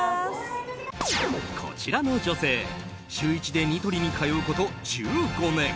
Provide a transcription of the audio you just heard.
こちらの女性週１でニトリに通うこと１５年。